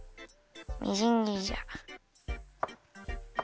みじんぎりじゃ。